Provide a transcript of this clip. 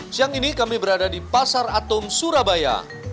siang ini kami berada di pasar atom surabaya